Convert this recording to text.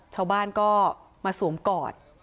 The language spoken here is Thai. ชาวบ้านก็มาสวมกอด